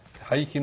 はい。